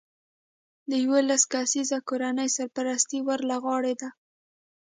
د یولس کسیزې کورنۍ سرپرستي ور له غاړې ده